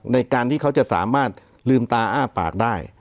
ในการที่เขาจะสามารถลืมตาอ้าปากได้